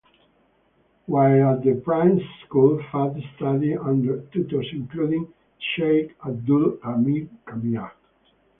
While at the Princes' School, Fahd studied under tutors including Sheikh Abdul-Ghani Khayat.